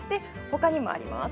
他にもあります。